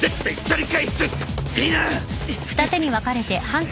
いいな！